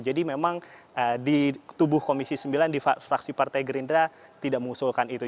jadi memang di tubuh komisi sembilan di fraksi partai gerindra tidak mengusulkan itu